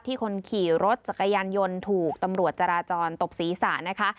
คนขี่รถจักรยานยนต์ถูกตำรวจจราจรตบศีรษะนะคะ